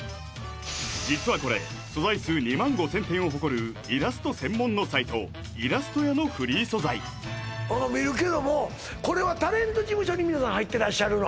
実はこれ素材数２万５０００点を誇るイラスト専門のサイト「いらすとや」のフリー素材見るけどもこれはタレント事務所に皆さん入ってらっしゃるの？